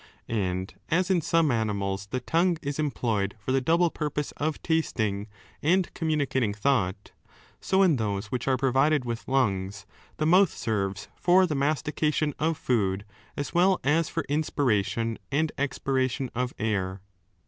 ^ And as in some ftnimftl^ the tongue is employed for the double purpose of tasting and communicating thought, so in those which are provided with lungs, the mouth serves for the masti cation of food as well as for inspiration and expiration of air.